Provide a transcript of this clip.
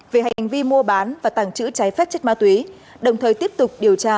về hành vi mua bán và tàng trữ trái phép chất ma túy đồng thời tiếp tục điều tra mở rộng vụ án